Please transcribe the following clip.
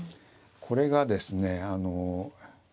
これがですねあの。